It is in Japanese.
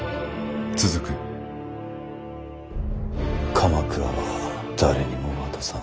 鎌倉は誰にも渡さん。